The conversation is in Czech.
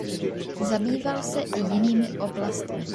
Zabýval se i jinými oblastmi.